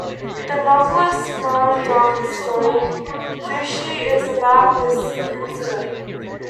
The novelist Mao Dun's story "Fushi" is about this incident.